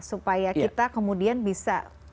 supaya kita kemudian bisa